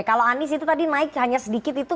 kalau anies itu tadi naik hanya sedikit itu